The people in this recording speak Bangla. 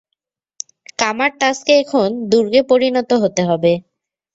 কামার-তাজকে এখন দুর্গে পরিণত হতে হবে।